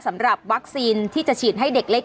สำหรับวัคซีนที่จะฉีดให้เด็กเล็ก